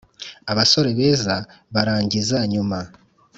abasore beza barangiza nyuma.